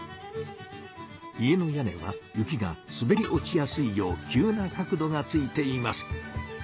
家の屋根は雪がすべり落ちやすいよう急な角度がついています。